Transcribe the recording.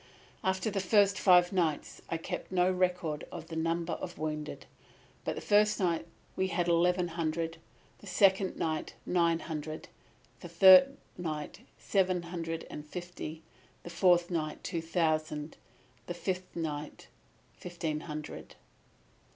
"After the first five nights I kept no record of the number of wounded; but the first night we had eleven hundred; the second night, nine hundred; the third night, seven hundred and fifty; the fourth night, two thousand; the fifth night, fifteen hundred.